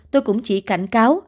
tôi cũng chỉ cảnh cáo